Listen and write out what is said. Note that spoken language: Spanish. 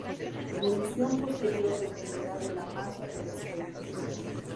La evolución posterior dependerá de la masa de la estrella.